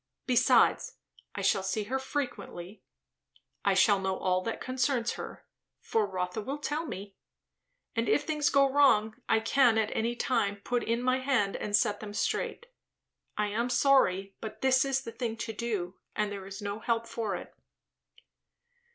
Besides, I shall see her frequently; I shall know all that concerns her, for Rotha will tell me; and if things go wrong, I can at any time put in my hand and set them straight. I am sorry but this is the thing to do; and there is no help for it.